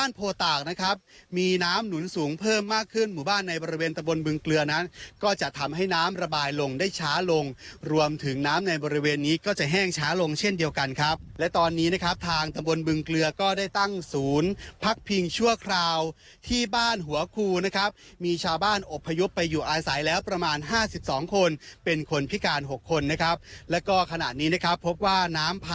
น้ำหนุนสูงเพิ่มมากขึ้นหมู่บ้านในบริเวณตำบลบึงเกลือนะก็จะทำให้น้ำระบายลงได้ช้าลงรวมถึงน้ำในบริเวณนี้ก็จะแห้งช้าลงเช่นเดียวกันครับและตอนนี้นะครับทางตำบลบึงเกลือก็ได้ตั้งศูนย์พักพิงชั่วคราวที่บ้านหัวครูนะครับมีชาวบ้านอบพยุบไปอยู่อาศัยแล้วประมาณ๕๒คนเป็นคนพิการ๖คนนะครับแล